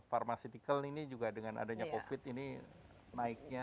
pharmaceutical ini juga dengan adanya covid ini naiknya